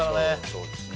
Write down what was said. そうですね